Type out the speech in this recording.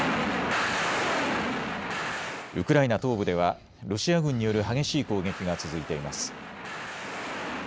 ウクライナ東部ではロシア軍による激しい攻撃が続いています。